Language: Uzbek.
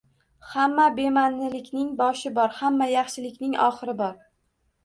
Hamma bema'nilikning boshi bor, hamma yaxshilikning oxiri bor